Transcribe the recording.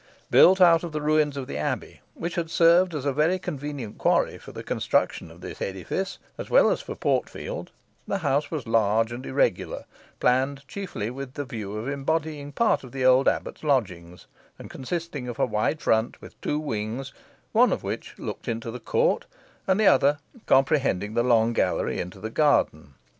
Built out of the ruins of the Abbey, which had served as a very convenient quarry for the construction of this edifice, as well as for Portfield, the house was large and irregular, planned chiefly with the view of embodying part of the old abbot's lodging, and consisting of a wide front, with two wings, one of which looked into the court, and the other, comprehending the long gallery, into the garden.